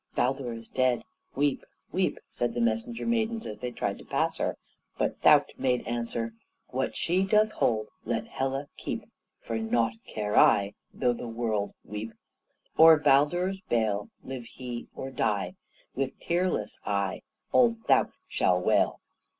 "Baldur is dead! Weep, weep!" said the messenger maidens, as they tried to pass her; but Thaukt made answer: "What she doth hold, Let Hela keep; For naught care I, Though the world weep, O'er Baldur's bale. Live he or die With tearless eye, Old Thaukt shall wail."